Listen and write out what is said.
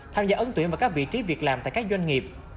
tham gia ấn tuyển vào các vị trí việc làm tại các doanh nghiệp